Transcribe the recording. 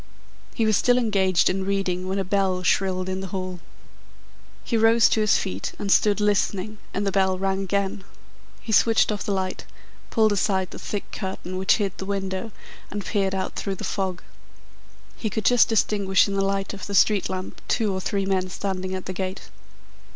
He was still engaged in reading when a bell shrilled in the hall. He rose to his feet and stood listening and the bell rang again. He switched off the light, pulled aside the thick curtain which hid the window, and peered out through the fog. He could just distinguish in the light of the street lamp two or three men standing at the gate.